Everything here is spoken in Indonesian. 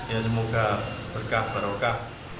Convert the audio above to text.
ya semoga berkah barokah